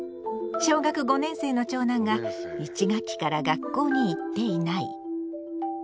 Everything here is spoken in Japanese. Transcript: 小学５年生の長男が１学期から学校に行っていない。